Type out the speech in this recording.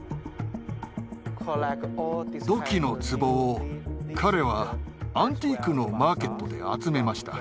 土器のつぼを彼はアンティークのマーケットで集めました。